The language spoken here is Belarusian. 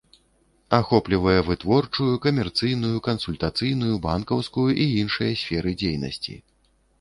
Ахоплівае вытворчую, камерцыйную, кансультацыйную, банкаўскую і іншыя сферы дзейнасці.